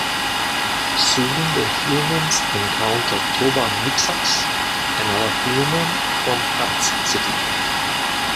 Soon the humans encounter Toba Mixxax, another human from Parz City.